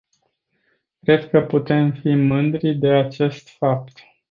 Cred că putem fi mândri de acest fapt.